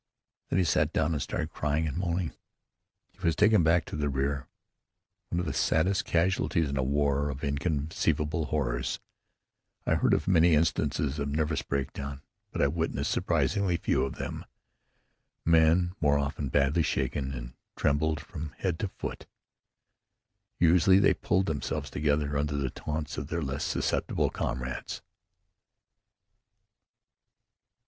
Then he sat down and started crying and moaning. He was taken back to the rear, one of the saddest of casualties in a war of inconceivable horrors. I heard of many instances of nervous breakdown, but I witnessed surprisingly few of them. Men were often badly shaken and trembled from head to foot. Usually they pulled themselves together under the taunts of their less susceptible comrades.